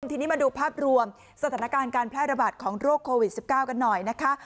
ทีนี้มาดูภาพรวมสถานการณ์การแพร่ระบาดของโรคโควิด๑๙กันหน่อยนะคะ